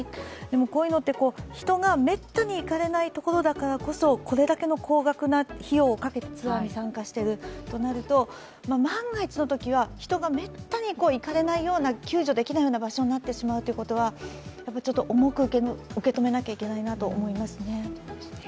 こういうのって、人がめったに行かれないところだからこそこれだけの高額な費用をかけてツアーに参加しているとなると、万が一のときは、人がめったに行けない、救助できない場所になってしまうということは重く受け止めなければいけないなと思いますね。